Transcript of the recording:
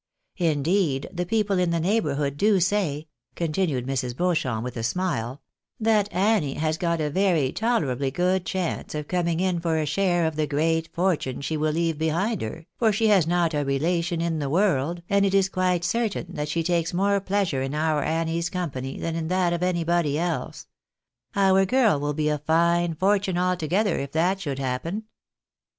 Indeed, the people in the neighbourhood do say," con tinued Mrs. Beauchamp, with a smile, " that Annie has got a very tolerably good chance of coming in for a share of the great fortune she will leave behind her, for she has not a relation in the world, and it is quite certain that she takes more pleasure in our Annie's company than in that of anybody else. Our girl will be a fine fortune altogether if that should happen."